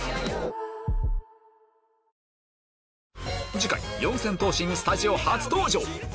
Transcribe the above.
次回四千頭身スタジオ初登場！